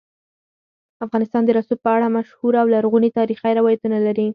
افغانستان د رسوب په اړه مشهور او لرغوني تاریخی روایتونه لري.